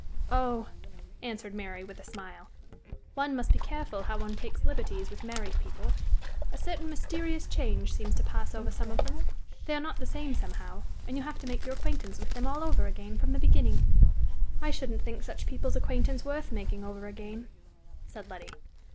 "Oh!" answered Mary, with a smile, "one must be careful how one takes liberties with married people. A certain mysterious change seems to pass over some of them; they are not the same somehow, and you have to make your acquaintance with them all over again from the beginning." "I shouldn't think such people's acquaintance worth making over again," said Letty.